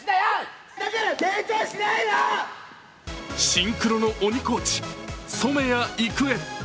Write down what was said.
シンクロの鬼コーチ・染谷育枝。